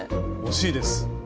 惜しいです。